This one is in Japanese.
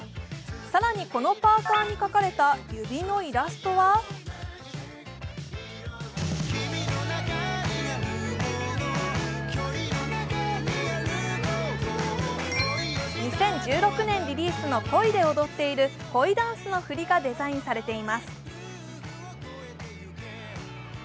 更にこのパーカに描かれた指のイラストは２０１６年リリースの「恋」で踊っている恋ダンスの振りがデザインされています。